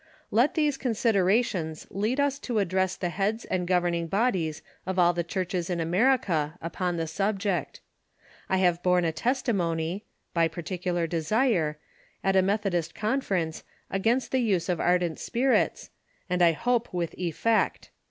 Let these considerations lead us to address the heads and gov erning bodies of all the churches in America upon the subject. I have borne a testimony (by particular desire) at a Methodist Conference against the use of ardent spirits, and I hope with effect.